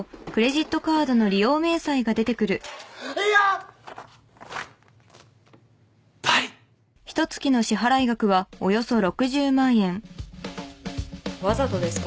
やっぱり！わざとですか？